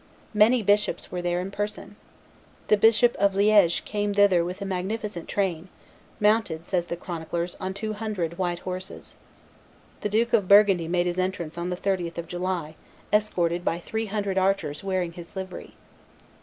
Many bishops were there in person. The Bishop of Liege came thither with a magnificent train, mounted, says the chroniclers, on two hundred white horses. The Duke of Burgundy made his entrance on the 30th of July, escorted by three hundred archers wearing his livery.